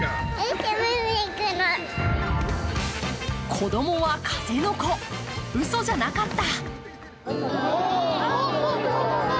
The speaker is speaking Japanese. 子供は風の子うそじゃなかった！